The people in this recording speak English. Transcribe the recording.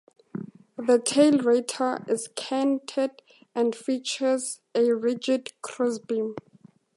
The tail rotor is canted and features a rigid crossbeam.